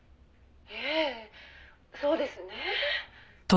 「ええそうですね」